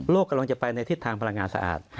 โลกจะไปในภาษาทางเนาะสะอาด